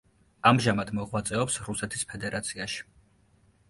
ამჟამად მოღვაწეობს რუსეთის ფედერაციაში.